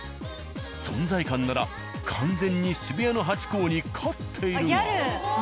存在感なら完全に渋谷のハチ公に勝っているが。